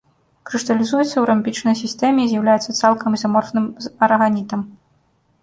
Крышталізуецца ў рамбічнай сістэме і з'яўляецца цалкам ізаморфным з араганітам.